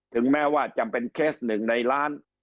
ถึงแม้ว่าจำเป็นเคสหนึ่งในล้าน